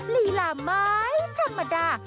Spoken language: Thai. ลีลาไม่ธรรมดา